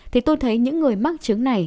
thì tôi thấy những người mắc chứng này